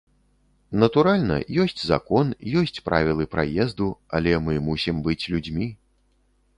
Натуральна, ёсць закон, ёсць правілы праезду, але мы мусім быць людзьмі.